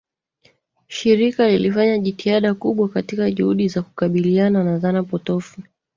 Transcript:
shirika lilifanya jitihada kubwa katika juhudi za kukabiliana na dhana potofu